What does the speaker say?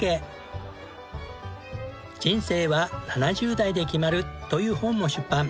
『人生は７０代で決まる』という本も出版。